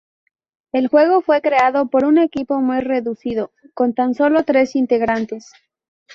El juego fue creado por un equipo muy reducido, con tan solo tres integrantes.